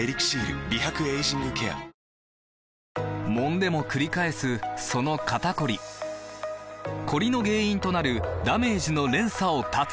新「ＥＬＩＸＩＲ」もんでもくり返すその肩こりコリの原因となるダメージの連鎖を断つ！